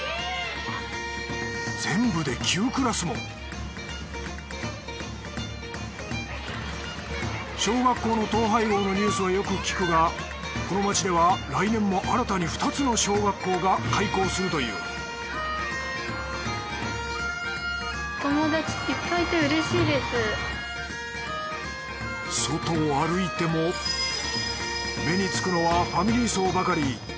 全部で９クラスも小学校の統廃合のニュースはよく聞くがこの街では来年も新たに２つの小学校が開校するという外を歩いても目につくのはファミリー層ばかり。